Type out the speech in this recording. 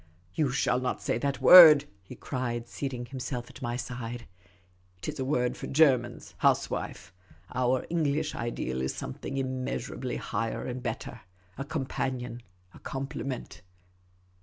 " You shall not say that word," he cried, seating himself at my side. " It is a word for Germans, ' housewife.' Our English ideal is something immeasurably higher and better. A companion, a complement